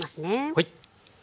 はい。